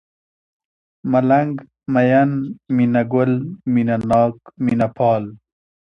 ملنگ ، مين ، مينه گل ، مينه ناک ، مينه پال